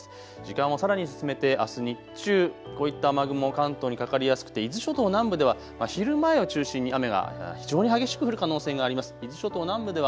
時間をさらに進めてあす日中、こういった雨雲、関東にかかりやすくて伊豆諸島南部では昼前を中心に雨が非常に激しく降る可能性があります。